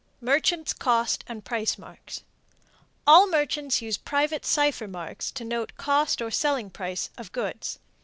MERCHANTS' COST AND PRICE MARKS. All merchants use private cipher marks to note cost or selling price of goods.